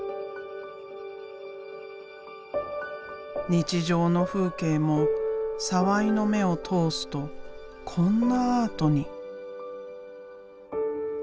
日常の風景も澤井の目を通すとこんなアートに。